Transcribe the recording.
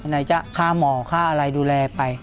ไหนจะฆ่าหมอค่าอะไรดูแลไป